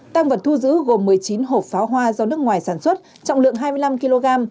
tăng vật thu giữ gồm một mươi chín hộp pháo hoa do nước ngoài sản xuất trọng lượng hai mươi năm kg